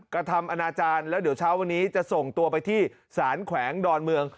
กระทำอนาจารย์แล้วเดี๋ยวเช้าวันนี้จะส่งตัวไปที่สารแขวงดอนเมือง